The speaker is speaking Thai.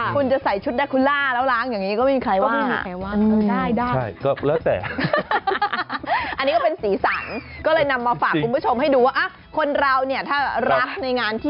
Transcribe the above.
คุณจะใส่ชุดดาคูล่าแล้วล้างอย่างนี้ก็ไม่มีใครว่าง